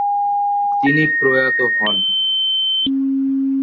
তিনি প্রয়াত হন।